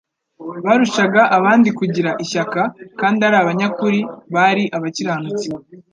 Barushaga abandi kugira ishyaka kandi ari abanyakuri bari abakiranutsi